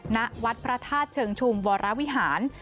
ณวัดพระธาตุเชิงชุมวรวิหาร